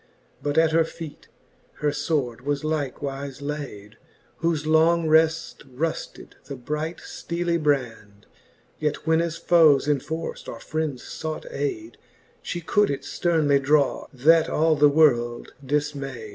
But at her feet her fword was likewife layd, . Whofe long reft rufted the bright fteely brand; Yet when as foes enforft, or friends fought ayde, She could it fternely draw, that all the world difmayde.